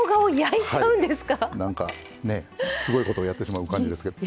なんかねすごいことをやってしまう感じですけど。